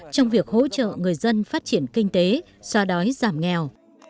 trong việc hỗ trợ người dân phát triển kinh tế xoa đói giảm nghèo